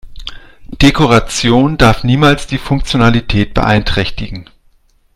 Dekoration darf niemals die Funktionalität beeinträchtigen.